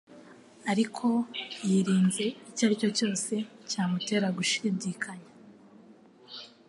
ariko yirinze icyo aricyo cyose cyamutera gushidikanya